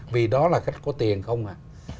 vì đó là khách có tiền không à